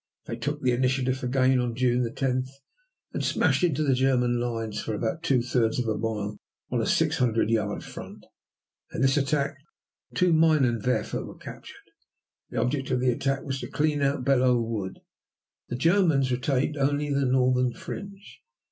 They took the initiative again on June 10 and smashed into the German lines for about two thirds of a mile on a 600 yard front. In this attack two minenwerfer were captured. The object of the attack was to clean out Belleau Wood. The Germans retained only the northern fringe.